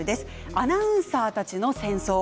「アナウンサーたちの戦争」。